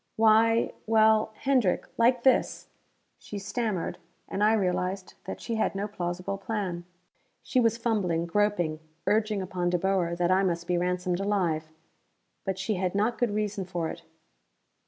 "Why well, Hendrick, like this " She stammered, and I realized that she had no plausible plan. She was fumbling, groping, urging upon De Boer that I must be ransomed alive. But she had not good reason for it.